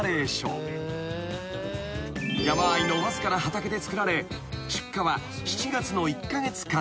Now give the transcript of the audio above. ［山あいのわずかな畑で作られ出荷は７月の１カ月間のみ］